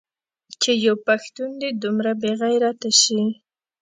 چې يو پښتون دې دومره بې غيرته سي.